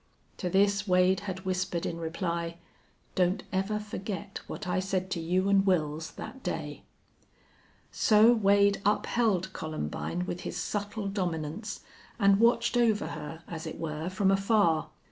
To this Wade had whispered in reply, "Don't ever forget what I said to you an' Wils that day!" So Wade upheld Columbine with his subtle dominance, and watched over her, as it were, from afar.